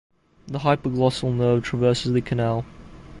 The hypoglossal nerve traverses the canal.